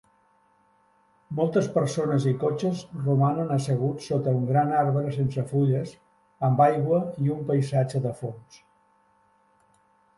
Moltes persones i cotxes romanen asseguts sota un gran arbre sense fulles amb aigua i un paisatge de fons.